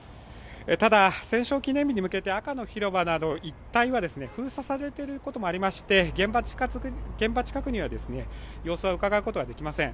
ただ戦勝記念日に向けて赤の広場など一帯は封鎖されていることもありまして、現場近くの様子をうかがうことはできません。